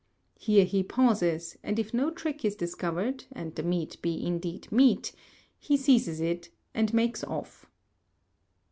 Here he pauses, and if no trick is discovered, and the meat be indeed meat, he seizes it and makes off.